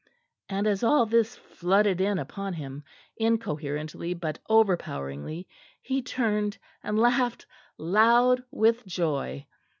And as all this flooded in upon him, incoherently but overpoweringly, he turned and laughed loud with joy.